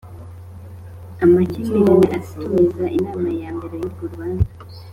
Amakimbirane atumiza inama ya mbere y urwo rubanza